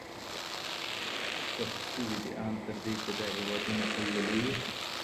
سخت سوي دي، ان تر دې چي دا هيوادونه تل د لویو